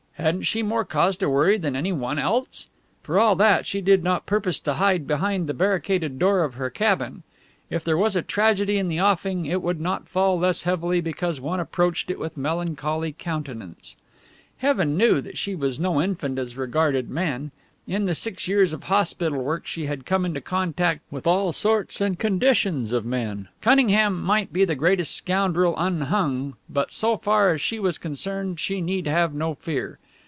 Hadn't she more cause to worry than any one else? For all that, she did not purpose to hide behind the barricaded door of her cabin. If there was a tragedy in the offing it would not fall less heavily because one approached it with melancholy countenance. Heaven knew that she was no infant as regarded men! In the six years of hospital work she had come into contact with all sorts and conditions of men. Cunningham might be the greatest scoundrel unhung, but so far as she was concerned she need have no fear.